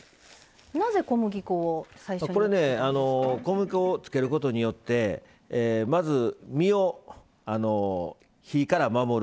小麦粉をつけることによってまず、身を火から守る。